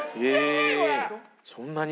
そんなに？